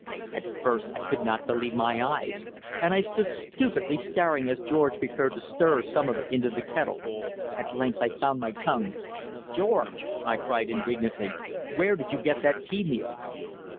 At first I could not believe my eyes, and I stood stupidly staring as George prepared to stir some of it into the kettle. At length I found my tongue. "George," I cried indignantly, "where did you get that pea meal?"